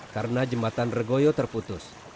karena jembatan regoyo terputus